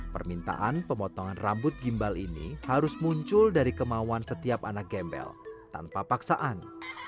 permintaan pemotongan rambut gimbal ini harus muncul dari kemauan setiap anak gembel tanpa paksaan